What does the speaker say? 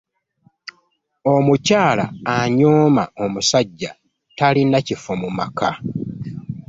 Omukyala anyooma omusajja talina kifo mu maka!